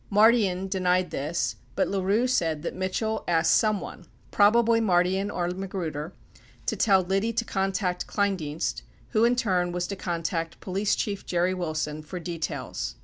66 Mardian denied this, but LaRue said that Mitchell asked someone — probably Mardian or Magruder — to tell Liddy to contact Kleindienst, who in turn was to contact Police Chief Jerry Wilson, for details.